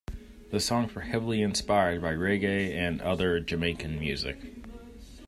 The songs were heavily inspired by reggae and other Jamaican music.